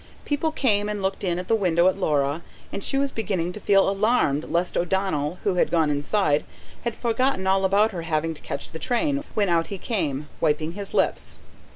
People came and looked in at the window at Laura, and she was beginning to feel alarmed lest O'Donnell, who had gone inside, had forgotten all about her having to catch the train, when out he came, wiping his lips.